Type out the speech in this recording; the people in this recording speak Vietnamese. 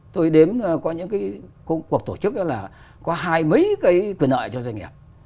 tôi đếm có những cuộc tổ chức có hai mấy quyền nợ cho doanh nghiệp